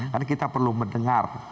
karena kita perlu mendengar